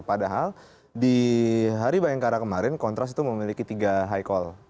padahal di hari bayangkara kemarin kontras itu memiliki tiga high call